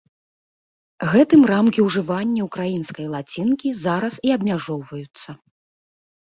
Гэтым рамкі ўжывання ўкраінскай лацінкі зараз і абмяжоўваюцца.